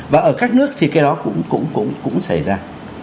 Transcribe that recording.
và ở các nước thì cái đó cũng xảy ra